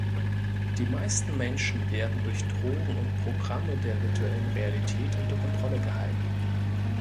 Die meisten Menschen werden durch Drogen und Programme der virtuellen Realität unter Kontrolle gehalten.